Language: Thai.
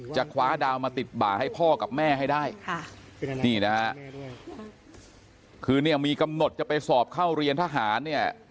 จะคว้าดาวมาติดบ่าให้พ่อกับแม่ให้ได้คือมีกำหนดจะไปสอบเข้าเรียนทหาร